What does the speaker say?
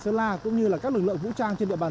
sơn la cũng như các lực lượng vũ trang trên địa bàn